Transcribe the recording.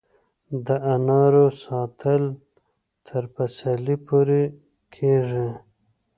د انارو ساتل تر پسرلي پورې کیږي؟